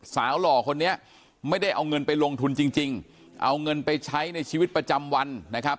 หล่อคนนี้ไม่ได้เอาเงินไปลงทุนจริงจริงเอาเงินไปใช้ในชีวิตประจำวันนะครับ